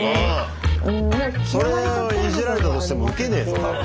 それをイジられたとしてもウケねえぞ多分。